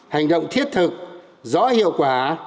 hành động thiết thực rõ hiệu quả